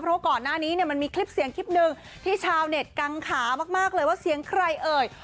เพราะก่อนหน้านี้เนี่ยมันมีคลิปเสียงคลิปหนึ่งที่ชาวเน็ตกังขามากเลยว่าเสียงใครเอ่ย